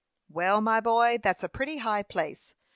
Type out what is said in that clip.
"Well, my boy, that's a pretty high place.